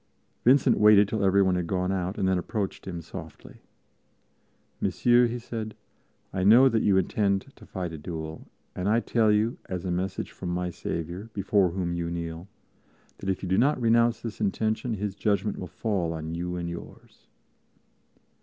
Vincent waited till everyone had gone out, and then approached him softly. "Monsieur," he said, "I know that you intend to fight a duel; and I tell you, as a message from my Saviour, before whom you kneel, that if you do not renounce this intention His judgment will fall on you and yours."